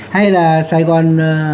hay là sài gòn